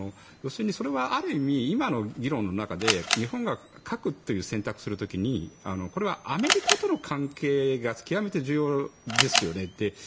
ある意味、今の議論の中で日本が核という選択をする時にこれはアメリカとの関係が極めて重要ですよね。